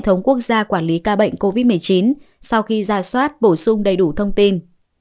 hệ thống quốc gia quản lý ca bệnh covid một mươi chín sau khi ra soát bổ sung đầy đủ thông tin